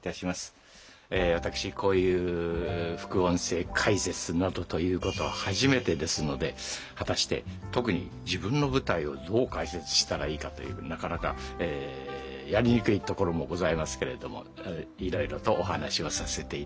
私こういう副音声解説などということは初めてですので果たして特に自分の舞台をどう解説したらいいかというなかなかやりにくいところもございますけれどもいろいろとお話をさせていただきます。